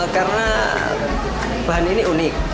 karena bahan ini unik